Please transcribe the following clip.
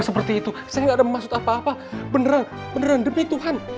bener gak marah